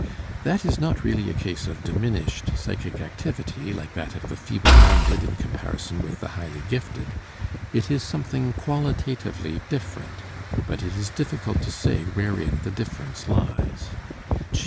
That is not really a case of diminished psychic activity, like that of the feeble minded in comparison with the highly gifted; it is something qualitatively different, but it is difficult to say wherein the difference lies.